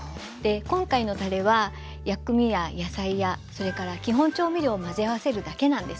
今回のたれは薬味や野菜やそれから基本調味料を混ぜ合わせるだけなんですね。